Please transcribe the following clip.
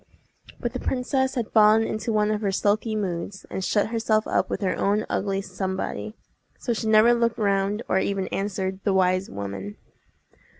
But the princess had fallen into one of her sulky moods, and shut herself up with her own ugly Somebody; so she never looked round or even answered the wise woman.